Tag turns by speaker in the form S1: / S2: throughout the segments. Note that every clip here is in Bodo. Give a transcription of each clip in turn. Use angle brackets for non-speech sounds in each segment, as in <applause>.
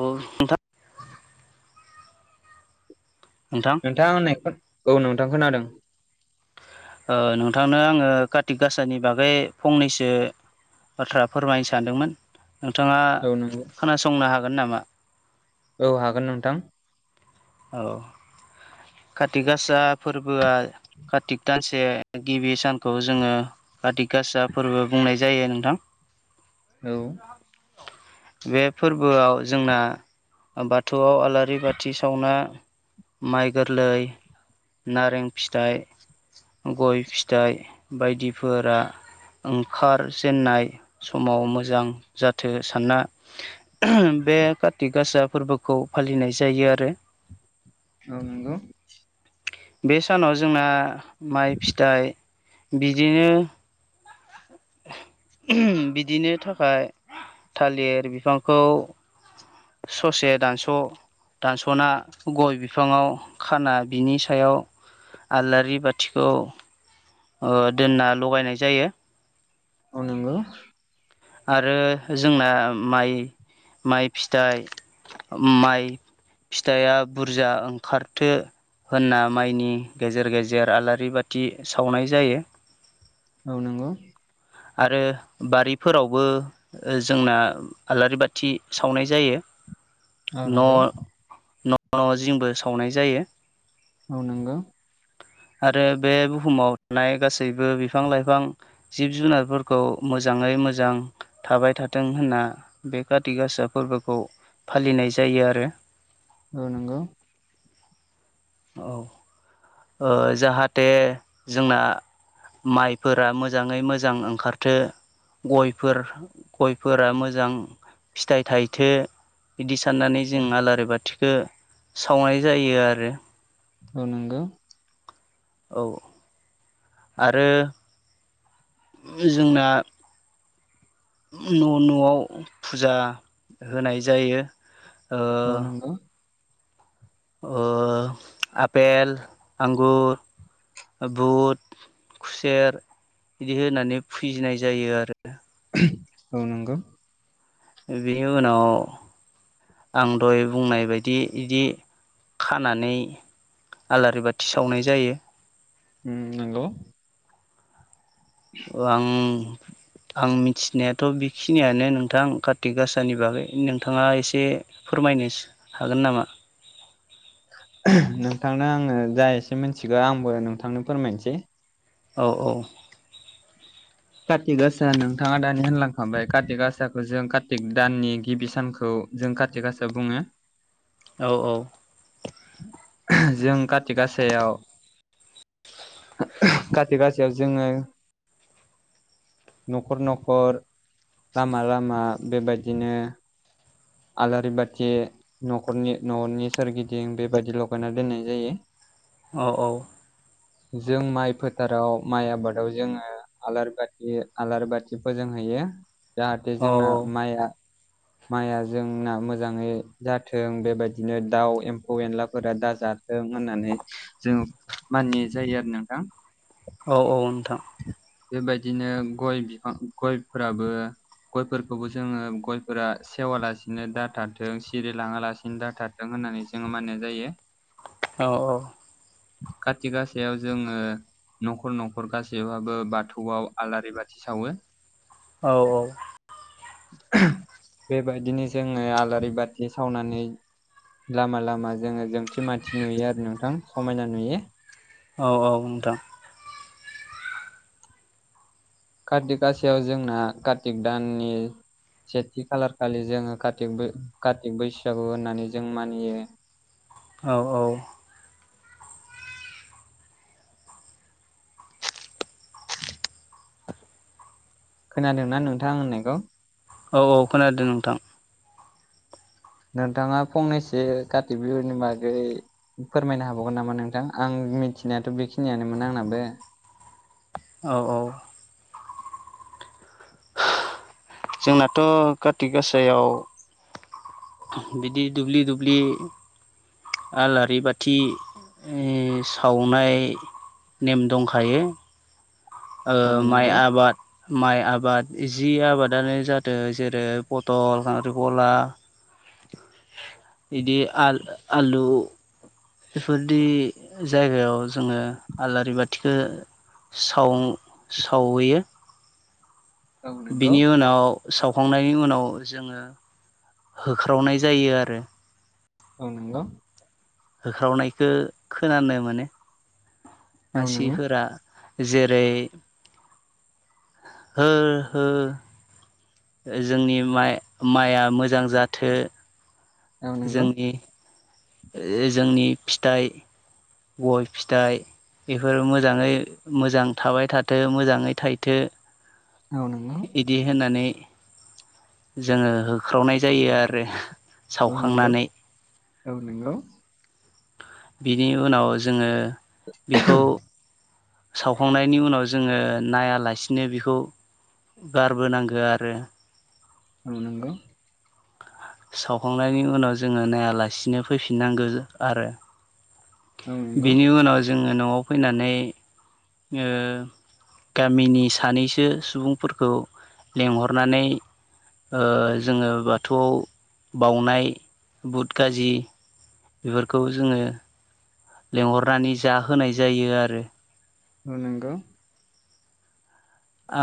S1: अ नोंथां? नोंथां
S2: नोंथांङा आं होननायखौ? औ नोंथां खोनादों।
S1: ओ नोंथांनो आङो काति गासानि बागै फंनैसो बाथ्रा फोरमायनो सानदोंमोन नोंथाङा
S2: औ नंगौ
S1: खोनासं'नो हागोन नामा?
S2: औ हागोन नोंथां।
S1: औ। काति गासा फोरबोआ कातिक दानसे गिबि सानखौ जोङो कातिक गासा फोरबो बुंनाय जायो नोंथां।
S2: औ।
S1: बे फोरबोआव जोंना बाथौआव आलारि बाथि सावना माइ गोरलै नारें फिथाइ गय फिथाइ बायदिफोरा ओंखारजेेननाय समाव मोजां जाथो सानना <unintelligible> बे काति गासा फोरबोखौ फालिनाय जायो आरो।
S2: औ नंगौ।
S1: बे सानाव जोंना माइ फिथाइ बिदिनो <inaudible> <unintelligible> बिदिनो थाखाय थालिर बिफांखौ ससे दानस' दानस'ना गय बिफाङाव खाना बिनि सायाव आलारि बाथिखौ ओ दोनना लगायनाय जायो।
S2: औ नंगौ।
S1: आरो जोंना माइ माइ फिथाइ माइ फिथाइआ बुरजा ओंखारथो होनना माइनि गेजेर गेजेर आलारि बाथि सावनाय जायो।
S2: औ नंगौ।
S1: आरो बारि फोरावबो जोंना आलारि बाथि सावनाय जायो।
S2: औ
S1: न'
S2: नांगौ।
S1: <unintelligible> जिंबो सावनाय जायो।
S2: औ नंगौ।
S1: आरो बे बुहुमाव थानाय गासैबो बिफां लाइफां जिब जुनारफोरखौ मोजाङै मोजां थाबाय थाथों होनना बे काति गासा फोरबोखौ फालिनाय जायो आरो
S2: औ नंगौ।
S1: औ ओ जाहाथे जोंना माइफोरा मोजाङै मोजां ओंखारथों गयफोर गयफोरा मोजां फिथाइ थाइथो बिदि साननानै
S2: औ नंगौ
S1: जों आलारि बाथिखो सावनाय जायो आरो
S2: औ नोंगौ।
S1: औ। आरो जोंना न' न'आव फुजा होनाय जायो। ओ
S2: औ नंगौ।
S1: ओ आपेल, आंगुर बुद, खुसेर, बिदि होनानै फुजिनाय जायो आरो।
S2: औ नंगौ।
S1: बिनि उनाव आं दहाय बुंनाय बायदि इदि खानानै आलारि बाथि सावनाय जायो।
S2: उम नोंगौ।
S1: आं आं मिथिनायाथ' बेखिनियानो नोंथां कार्तिक गाासानि बागै नोंथाङा एसे फोरमाय नि हागोन नामा?
S2: नोंथांनो आङो जा एसे मिथिगौ आंबो नोंथांनो फोरमायनोसै
S1: औ औ
S2: कार्तिक आसा नोंथाङा दानि होनलांखांबाय कारतिक आसाखौ जों कार्तिक दाननि गिबि सानखौ जों खाथि गासा बुङो।
S1: औ औ
S2: जों काथि गासायाव काथि गासायाव जोङो न'खर न'खर लामा लामा बेबायदिनो आलारि बाथि न'खरनि न'रनि सोरगिदिं बेबायदि लगायना दोननाय जायो
S1: औ औ
S2: जों माइ फोथाराव माइ आबादाव जोङो। आलारि बाथि आलारि बाथि फोजोंहैयो जाहाथे
S1: औ
S2: जोंना माइआ माइआ जोंना मोजाङै जाथों बेबायदिनो दाउ एम्फौ एनलाफोरा दाजाथों होननानै जों मानिनाय जायो आरो नोंथां
S1: औ औ नोंथां
S2: बेबायदिनो गय बिफां गयफोराबो गयफोरखौबो जोङो गयफोरा सेवा लासिनो दाथाराथों सिरि लाङा लासिनो दाथाराथों होन होननानै जोङो मानिनाय जायो
S1: औ औ
S2: काति गासायाव जोङो न'खर न'खर गासैबाबो बाथौआव आलारि बाथि सावो
S1: औ औ
S2: बेबायदिनो जोङो आलारि बाथि सावनानै लामा लामा जोङो जोंथि मानथि नुयो आरो नोंथां समायना नुयो
S1: औ औ नोंथां
S2: कार्तिक गासियाव जोंना कार्तिक दाननि सेथि खालार खालि जोङो क कार्तिक बैसागु होननानै जों मानियो
S1: औ औ।
S2: खोनादोंना नोंथां आं होननायखौ
S1: औ औ खोनादों नोंथां
S2: नोंथाङा फंनैसो काति बिहुनि बागै फोरमायनो हाबावगोन नामा नोंथां आं मिथिनायाथ' बेखिनियानोमोन आंनाबो
S1: औ औ। जोंनाथ' काति गासायाव बिदि दुब्लि दुब्लि आलारि बाथि सावनाय नेम दंखायो।
S2: औ
S1: माइ
S2: नंगौ
S1: आबाद माइ आबाद आबाद जि आबादानो जादों जेरै पटल खांख्रि गला बिदि आलु बेफोरदि जायगायाव जोङो आलारि बाथिखौ साव -सावहैयो।
S2: औ नंगौ
S1: बिनि उनाव सावखांनायनि उनाव जोङो होख्रावनाय जायो आरो।
S2: औ‌ नंगौ।
S1: होख्रावनायखौ खोनानो मोनो।।
S2: औ नंगौ
S1: मानसिफोरा जेरै हो-हो जोंनि माइ माइआ मोजां जाथो
S2: औ नंगौ
S1: जोंनि जोंनि फिथाइ गय फिथाइ बेफोरो मोजाङै मोजां थाबाय थाथों मोजाङै थायथो
S2: औ नंगौ
S1: बिदि होनानै जोङो होख्रावनाय जायो आरो।
S2: औ नंगौ
S1: सावखांनानै
S2: औ नं‌‌गौ।
S1: बिनि उनाव जोङो बेखौ सावखांनायनि उनाव जोङो नायालासिनो बेखौ गारबोनांगौ आरो
S2: औ नंगौ।
S1: सावखांनायनि उनाव जोङो नायालासिनो फैफिननांगौ आरो।
S2: औ नंगौ
S1: बेनि उनाव जोङो न'आव फैनानै ओ गामिनि सानैसो सुबुंफोरखौ लेंंहरनानै ओ जोङो बाथौआव बाउनाय बुट खाजि बेफोरखौ जोङो लेंहरनानै जाहोनाय जायो आरो।
S2: औ नंगौ।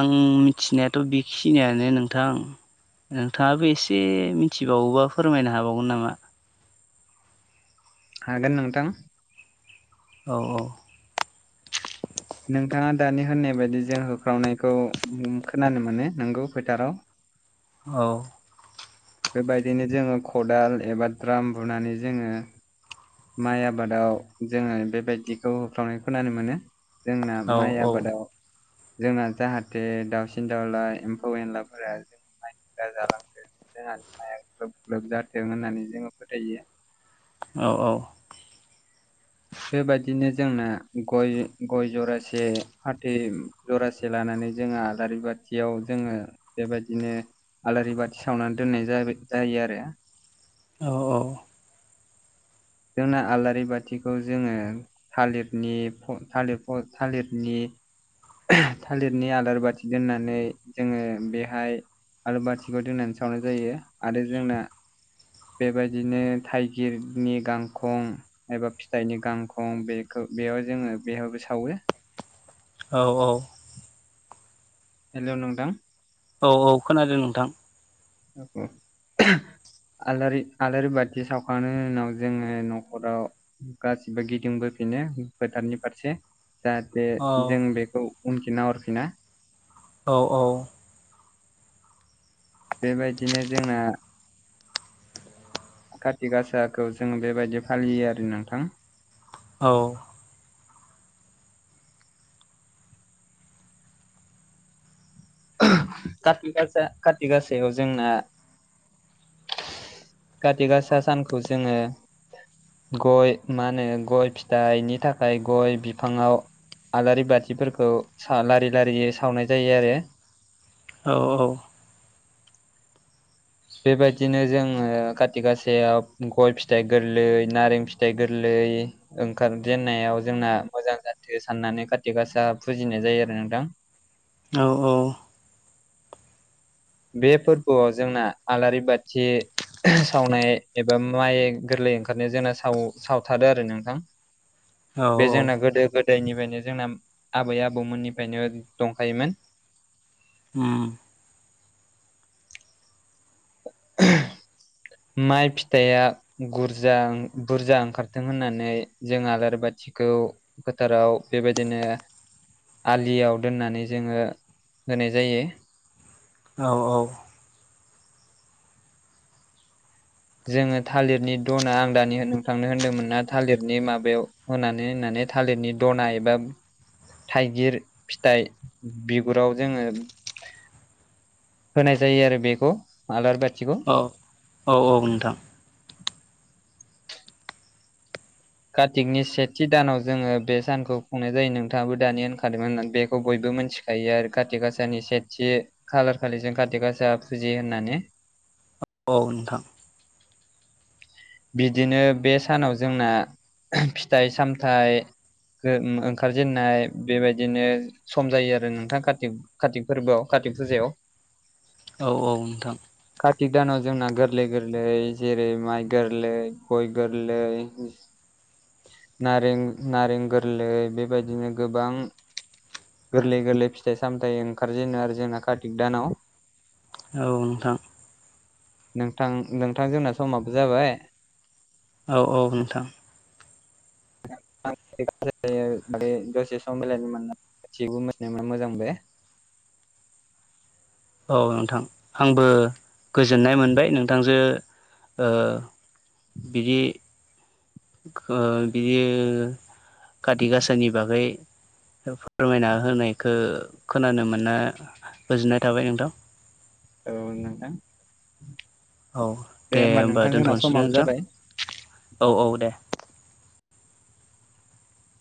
S1: आं मिथिनायाथ' बेखिनियानो नोंथां। नोंथाङाबो एसे मिथिबावोबा फोरमायनो हाबावगोन नामा? लांदां
S2: हागोन नोंथां।
S1: औ-औ
S2: नोंथाङा दानि होननाय बायदि जों होख्रावनायखौ खोनानो मोनो नंगौ फोथाराव
S1: औ।
S2: बेबायदिनो जोङो खदाल एबा द्राम बुनानै जोङो माइ आबादाव जोङो बेबायदिखौ होफ्रावनायखौ खोनानो मोनो। जोंना
S1: औ
S2: माइ आबादाव जोंना जाहाथे दाउसिन दाउला एम्फौ एनलाफोरा जोंनि माइखौ दि जालांथों जोंहा माया ग्लोब-ग्लोब जाथों होननानै जोङो फोथायो।
S1: औ-औ
S2: बेबायदिनो जोंना गय-गय जरासे फाथै जरासे लानानै नै जोङा आलारि बाथियाव जोङो बेबायदिनो आलारि बाथि सावनानै दोननाय जा-जायो आरो।
S1: औ-औ
S2: जोंना आलारि बाथिखौ जोङो थालिरनि थालिर थालिरनि
S1: लांदां
S2: थालिरनि आलारि बाथि दोननानै जोङो बेहाय आलारि बाथिबो दोनना सावनाय जायो आरो जोंना बेबायदिनो थाइगिरनि गांखं एबा फिथाइनि गांखं बेखौ बेयाव जोङो बेहायबो सावो।
S1: औ-औ
S2: हेलौ नोंथां।
S1: औ-औ खोनादों नोंथां।
S2: गुजुनाय आलारि आलारि बाथि सावखांनायनि उनाव जोङो न'खराव गासिबो गिदिंबो फिनो फोथारनि फारसे जाहाथे
S1: औ
S2: जों बेखौ उनखि नाहरफिना
S1: औ औ
S2: बेबायदिनो जोंना कातिकासाखौ जों बेबायदि फालियो आरो नोंथां
S1: औ।
S2: काति गासा काति गासायाव जोंना कति गासा सानखौ जोङो। गय मा होनो गय फिथाइनि थाखाय गय बिफाङाव आलारि बाथिफोरखौ सा लारि लारियै सावनाय जायो आरो
S1: औ औ
S2: बेबायदिनो जोङो खाति गासेायाव गय फिथाइ गोरलै नारें फिथाइ गोरलै ओंखार जेननायाव जोंना मोजां जाथों साननानै खाारथि गासा फुजिनाय जायो आरो नों थां
S1: औ औ
S2: बे फोरबोआव जोंना आलारि बाथि सावनाय एबा माइ गोरलै ओंखारनाय जोंना साव सावथारो आरो नोंथां
S1: औ
S2: बे जोंना गोदो गोद दायनिफ्रायनो जोंना आबै आबौमोननिफ्रायनो दंखायोमोन।
S1: ओम
S2: <unintelligible> माइ फिथाइया गुरजा बुरजा ओंखारथों होननानै जों आलारि बाथि खौ फोथाराव बेबायदिनो आलियाव दोननानै जोङो होनाय जायो।
S1: औ औ।
S2: जोङो थालिरनि दना आं दानि नोंथांनो होनदोंमोन ना थालिरनि माबायाव होनानै होननानै थालिरनि दना एबा थाइगिर फिथाइ बिगुराव जोङो होनाय जायो आरो बेखौ आलार बा
S1: औ औ औ नोंथां
S2: कार्तिकनि सेथि दानाव जोङो बे सानखौ खुंनाय जायो नोंथाङाबो दानि होनखादोंमोन होननानै बेखौ बयबो बो मिथिखायो आरो काथि गाासानि सेथि खालार खालिजों काति गासा फुजियो होननानै
S1: औ नोंथां
S2: बिदिनो बे सानाव जोंना फिथाइ सामथाय ओंखारजेनाय बेबायदिनो सम जायो आरो नोंथां कातिक कातिक फोरबोआव तिक फुजायाव
S1: औ औ नोंथां
S2: कातिक दानाव जोंना गोरलै गोरलै जेरै रै माइ गोरलै गय गोरलै नारें नारें गोरलै बेबायदिनो गोबां गोरलै गोरलै फिथाइ सामथायाइ ओंखारजेनो आरो जोंना कातिक दानाव
S1: औ नोंथां
S2: नोंथां नोंथां जोंना समाबो जाबाय
S1: औ औ नोंथां
S2: जायो दसे सम मिलानि मोन गाससिबो मिथिनाय मोना मोजां बे
S1: <unintelligible> औ नोंथां आंबो गोजोननाय मोनबाय नोंथांजो ओ बिदि खो बिदि काति गाासानि बागै फोरमायना होनायखौ खोनानो मोनना गोजोननाय थाबाय नोंथां
S2: औ नोंथां
S1: औ दे होमबा
S2: नोंथां जोंना
S1: दोनथ'सै
S2: समाबो
S1: नोंथां
S2: जाबाय
S1: औ औ दे